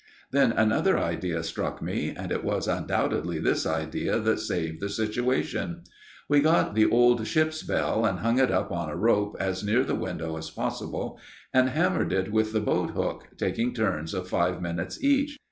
Then another idea struck me, and it was undoubtedly this idea that saved the situation. We got the old ship's bell and hung it up on a rope as near the window as possible, and hammered it with the boat hook, taking turns of five minutes each.